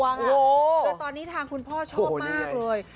แต่ตอนนี้ทางคุณพ่อชอบมากเลย